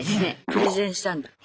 プレゼンしたんだ。